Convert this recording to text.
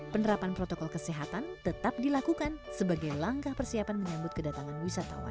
penerapan protokol kesehatan tetap dilakukan sebagai langkah persiapan menyambut kedatangan wisatawan